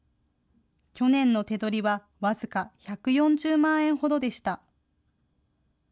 去年の手取りは僅か１４０万円ほどでした。